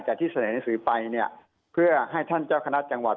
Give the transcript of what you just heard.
แต่ที่เสนอหนังสือไปเนี่ยเพื่อให้ท่านเจ้าคณะจังหวัด